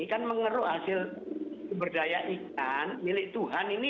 kan mengeruh hasil keberdayaan ikan milik tuhan ini